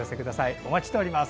お待ちしております。